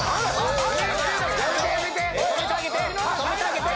止めてあげて止めてあげて！